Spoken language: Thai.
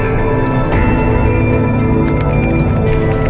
เยี่ยมกับบริครับ